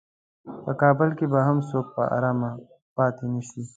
په کابل کې به هم څوک په ارام پاتې نشي.